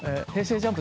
ＪＵＭＰ